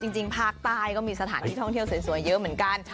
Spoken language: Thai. จริงภาคใต้ก็มีสถานที่ท่องเที่ยวสวยเยอะเหมือนกัน